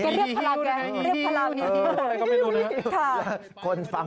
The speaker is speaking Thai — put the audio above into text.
เลียบพลังแหละเลียบพลัง